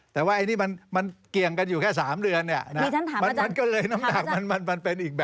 แต่ว่าไอ้นี่มันเกี่ยงกันอยู่แค่๓เดือนเนี่ยนะมันก็เลยน้ำหนักมันเป็นอีกแบบ